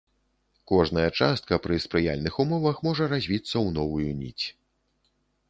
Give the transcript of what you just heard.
Кожная частка пры спрыяльных умовах можа развіцца ў новую ніць.